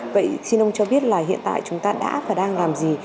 vậy xin ông cho biết là hiện tại chúng ta đã và đang làm gì